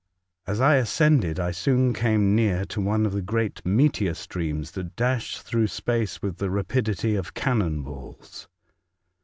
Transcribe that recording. " As I ascended, I soon came near to one of the great meteor streams that dash through space with the rapidity of cannon balls.